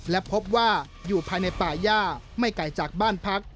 และพบว่าอยู่ภายในป่าย่าไม่ไกลจากบ้านพัก